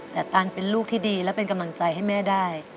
แต่ตันเป็นลูกที่ดีและเป็นกำลังใจให้แม่ได้